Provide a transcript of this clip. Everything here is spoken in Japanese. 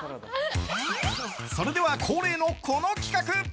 それでは、恒例のこの企画。